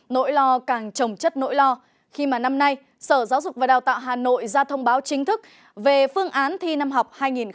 nỗi lo càng trồng chất nỗi lo khi mà năm nay sở giáo dục và đào tạo hà nội ra thông báo chính thức về phương án thi năm học hai nghìn hai mươi hai nghìn hai mươi một